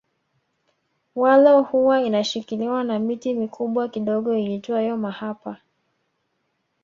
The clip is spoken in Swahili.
Walo huwa inashikiliwa na miti mikubwa kidogo iitwayo mahapa